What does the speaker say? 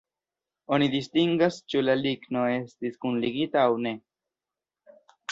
Oni distingas, ĉu la ligno estis kunligita aŭ ne.